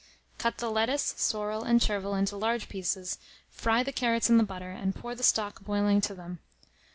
Cut the lettuce, sorrel, and chervil into larger pieces; fry the carrots in the butter, and pour the stock boiling to them.